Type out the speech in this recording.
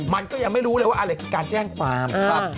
มันก็ยังไม่รู้เลยว่าอะไรคือการแจ้งความ